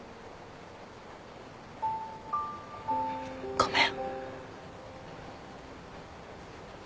ごめん。